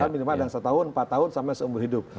minimal adalah satu tahun empat tahun sampai seumur hidup